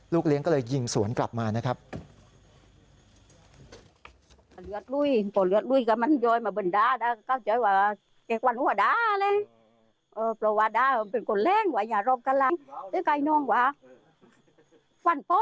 เลี้ยงก็เลยยิงสวนกลับมานะครับ